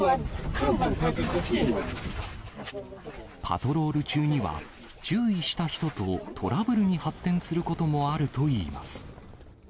パトロール中には、注意した人とトラブルに発展することもあるといいます。